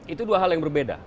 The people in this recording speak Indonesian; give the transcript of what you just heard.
itu dua hal yang berbeda